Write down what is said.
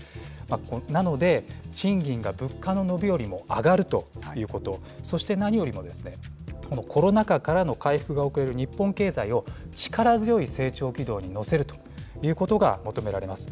なので、賃金が物価の伸びよりも上がるということ、そして何よりも、コロナ禍からの回復が遅れる日本経済を力強い成長軌道に乗せるということが求められます。